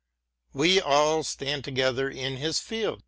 We all stand together in his field.